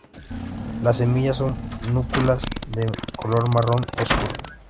Las semillas son núculas de color marrón oscuro.